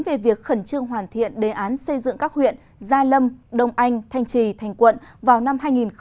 về việc khẩn trương hoàn thiện đề án xây dựng các huyện gia lâm đông anh thanh trì thành quận vào năm hai nghìn hai mươi